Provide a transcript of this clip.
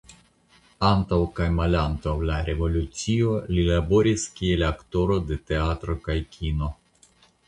Antaŭ kaj malantaŭ la revolucio li laboris kiel aktoro de teatro kaj kino.